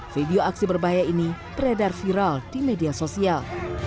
video aksi berbahaya ini beredar viral di media sosial